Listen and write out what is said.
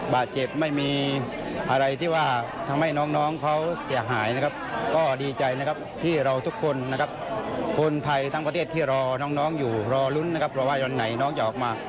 ว่าวันไหนน้องจะออกมา